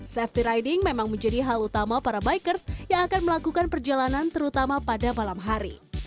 safety riding memang menjadi hal utama para bikers yang akan melakukan perjalanan terutama pada malam hari